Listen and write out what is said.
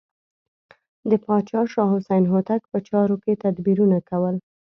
د پاچا شاه حسین هوتک په چارو کې تدبیرونه کول.